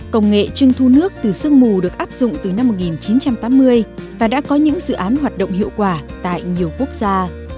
công nghệ trưng thu nước từ sương mù được áp dụng từ năm một nghìn chín trăm tám mươi và đã có những dự án hoạt động hiệu quả tại nhiều quốc gia